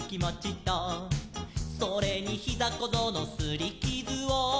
「それにひざこぞうのすりきずを」